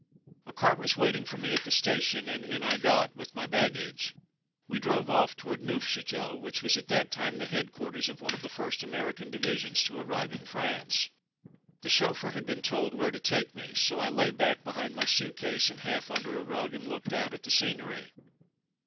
A car was waiting for me at the station, and in I got, with my baggage. We drove off towards Neufchateau, which was at that time the headquarters of one of the first American divisions to arrive in France. The chauffeur had been told where to take me, so I lay back behind my suit case and half under a rug and looked out at the scenery.